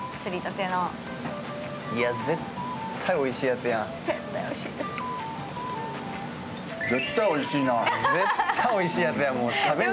絶対おいしいやつやん。